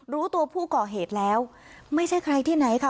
รู้ตัวผู้ก่อเหตุแล้วไม่ใช่ใครที่ไหนค่ะ